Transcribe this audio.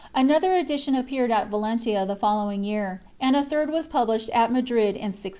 Another edition appeared at Valentia the following year, and a third was published at Madrid in 1615.